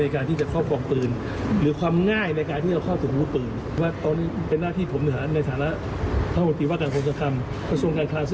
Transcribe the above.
คุณผู้ชมมองว่าข้อกฎหมายเรา